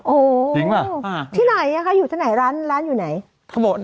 โอ้จริงป่ะอ่าที่ไหนอะค่ะอยู่ที่ไหนร้านร้านอยู่ไหนเขาบอก